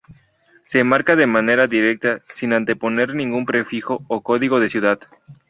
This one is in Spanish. Se marca de manera directa sin anteponer ningún prefijo o código de ciudad.